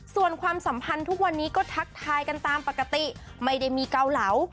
ส่วนความสัมพันธ์ทุกวันนี้ก็ทักทายกันตามปกติไม่ได้มีเกาเหลา